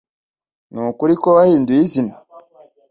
Nukuri ko wahinduye izina